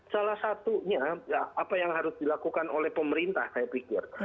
salah satunya apa yang harus dilakukan oleh pemerintah saya pikir